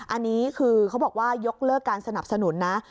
อันนี้คือเขาบอกว่ายกเลิกการสนับสนุนนะ